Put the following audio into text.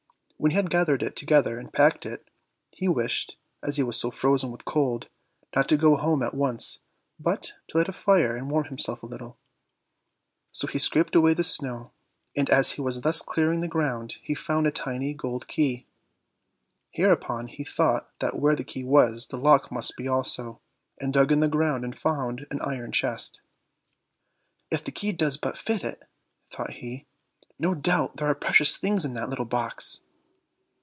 When he had gathered it together, and packed it, he wished, as he was so frozen with cold, not to go home at once, but to light a fire and warm himself a little. So he scraped away the snow, and as he was thus clearing the ground, he found a tiny, gold key. Hereupon he thought that where the key was, the lock must be also, and dug in the ground and found an iron chest. "If the key does but fit it!" thought he; "no doubt there are precious things in that little box."